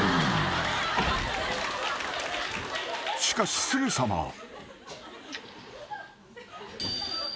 ［しかしすぐさま］